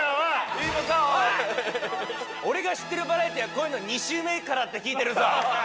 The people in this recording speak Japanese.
俺が知ってるバラエティーはこういうの２周目からって聞いてるぞ。